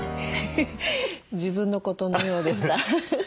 自分のことのようでした。